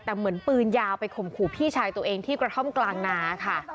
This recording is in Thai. แต่เหมือนปืนยาวไปข่มขู่พี่ชายตัวเองที่กระท่อมกลางนาค่ะ